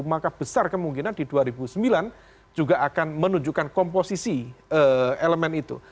maka besar kemungkinan di dua ribu sembilan juga akan menunjukkan komposisi elemen itu